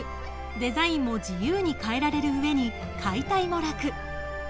デザインも自由に変えられるうえに解体も楽。